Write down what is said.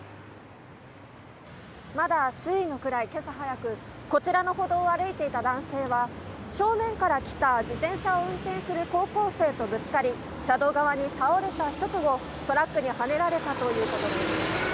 まだ周囲の暗い今朝早くこちらの歩道を歩いていた男性は正面から来た自転車を運転する高校生とぶつかり車道側に倒れた直後トラックにはねられたということです。